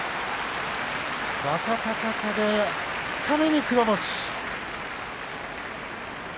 若隆景、二日目に黒星。